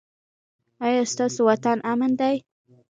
ایا ستاسو وطن امن دی؟